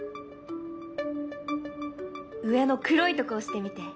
上の黒いとこ押してみて。